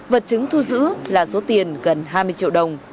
vật chứng thu giữ là số tiền gần hai mươi triệu đồng